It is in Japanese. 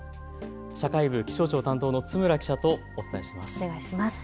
社会部気象庁担当の津村記者とお伝えします。